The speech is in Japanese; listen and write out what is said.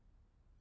あ。